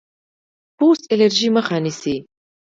پوست الرجي مخه نیسي.